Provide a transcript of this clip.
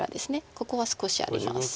ここは少しあります。